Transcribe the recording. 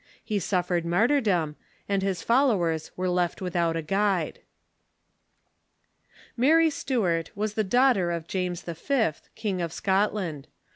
He suffered martyrdom, and his followers were left without a guide. Mary Stuart was the daughter of James V., King of Scot land.